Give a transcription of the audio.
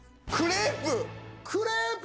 クレープ！